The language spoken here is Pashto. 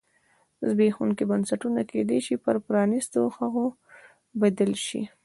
زبېښونکي بنسټونه کېدای شي پر پرانیستو هغو بدل شي.